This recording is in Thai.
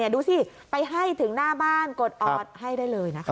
ดูสิไปให้ถึงหน้าบ้านกดออดให้ได้เลยนะคะ